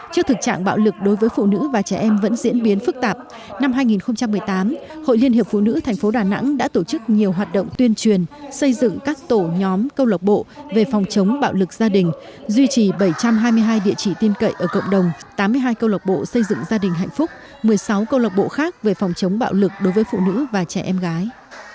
trước thực trạng bạo lực đối với phụ nữ và trẻ em vẫn diễn biến phức tạp năm hai nghìn một mươi tám hội liên hiệp phụ nữ thành phố đà nẵng đã tổ chức nhiều hoạt động tuyên truyền xây dựng các tổ nhóm câu lộc bộ về phòng chống bạo lực gia đình duy trì bảy trăm hai mươi hai địa chỉ tiêm cậy ở cộng đồng tám mươi hai câu lộc bộ xây dựng gia đình hạnh phúc một mươi sáu câu lộc bộ khác về phòng chống bạo lực đối với phụ nữ và trẻ em gái